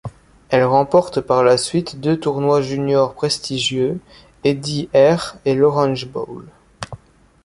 Elle remporte par la suite deux tournois junior prestigieux, Eddie Herr et l'Orange Bowl.